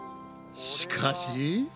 しかし。